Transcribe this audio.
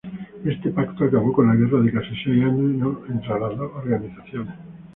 Este pacto acabo con la guerra de casi seis años entre las dos organizaciones.